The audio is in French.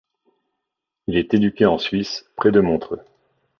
Il est éduqué en Suisse, près de Montreux.